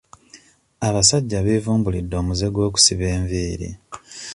Abasajja beevumbulidde omuze gw'okusiba enviiri.